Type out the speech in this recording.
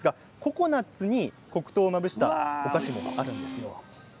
ココナツに黒糖をまぶしたお菓子があるんです。